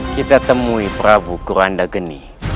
kita temui prabu keranda geni